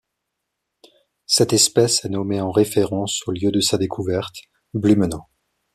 Cette espèce est nommée en référence au lieu de sa découverte, Blumenau.